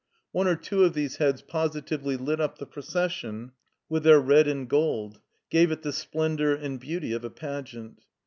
One or two of these heads positively lit up the procession with their red and gold, gave it the splendor and beauty of a pageant.